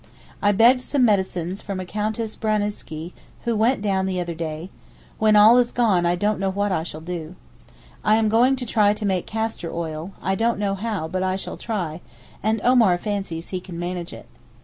I begged some medicines from a Countess Braniscki, who went down the other day; when all is gone I don't know what I shall do. I am going to try to make castor oil; I don't know how, but I shall try, and Omar fancies he can manage it.